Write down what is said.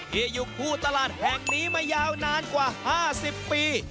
อยู่คู่ตลาดแห่งนี้มายาวนานกว่า๕๐ปี